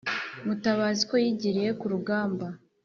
mutabazi ko yigiriye ku rugamba,